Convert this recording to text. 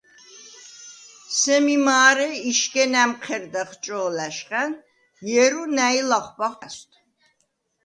სემი მა̄რე იშგენ ა̈მჴერდახ ჭო̄ლა̈შხა̈ნ, ჲერუ ნა̈ჲ ლახვბა ხვა̈სვდ.